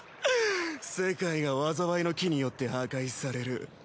世界が災いの樹によって破壊される。